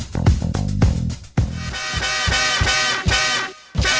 โปรดติดตามตอนต่อไป